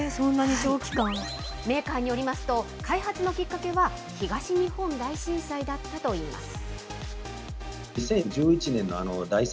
メーカーによりますと、開発のきっかけは東日本大震災だったといいます。